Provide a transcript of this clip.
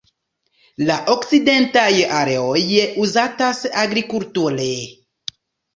La okcidentaj areoj uzatas agrikulture.